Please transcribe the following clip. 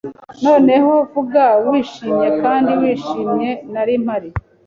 Noneho vuga wishimye kandi wishimye Nari mpari